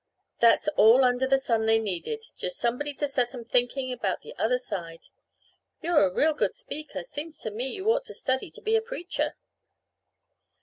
"That's all under the sun they needed just somebody to set 'em thinking about the other side. You're a real good speaker; seems to me you ought to study to be a preacher."